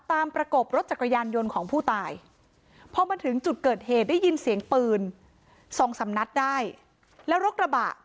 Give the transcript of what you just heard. อีแหละนี่ได้ยินครับ